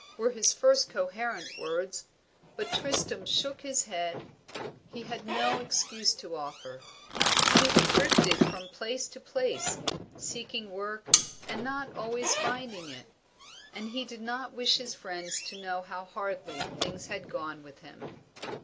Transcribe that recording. were his first coherent words; but Tristram shook his head he had no excuse to offer. He had drifted from place to place, seeking work and not always finding it, and he did not wish his friends to know how hardly things had gone with him.